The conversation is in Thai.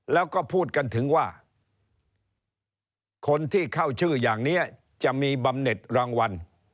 แล้วก็พูดกันถึงว่าคนที่เข้าชื่ออย่างนี้จะมีบำเน็ตรางวัล